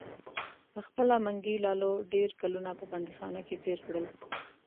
پخپله منګي لالو ډیر کلونه په بندیخانه کې تیر کړل.